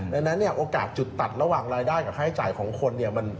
ดังนั้นโอกาสจุดตัดระหว่างรายได้กับค่าใช้จ่ายของคน